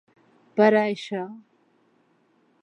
Per a això.